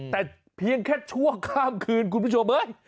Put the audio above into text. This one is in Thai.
แต่เพียงแค่ชั่วข้ามคืนคุณผู้ชมเฮ้ย